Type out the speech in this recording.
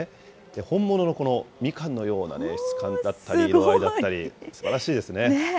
本物のみかんのような質感だったり、色だったり、すばらしいですね。